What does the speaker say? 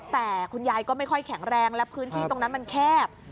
แต่คุณยายก็ไม่ค่อยแข็งแรงและพื้นที่ตรงนั้นมันแคบ